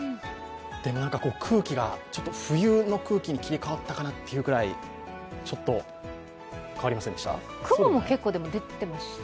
でも、空気がちょっと冬の空気に切り替わったかなというくらいちょっと変わりませんでした？